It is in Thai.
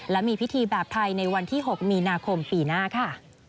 และมีพิธีแบบไทยในวันที่๖มีนาคมปีหน้าค่ะ